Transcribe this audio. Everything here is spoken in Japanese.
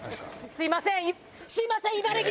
すみません！